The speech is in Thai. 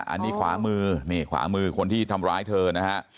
อันนี้ขวามือนี่ขวามือคนที่ทำร้ายเธอนะฮะ